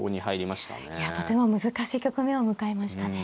いやとても難しい局面を迎えましたね。